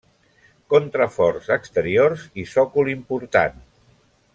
Contraforts exteriors i sòcol important.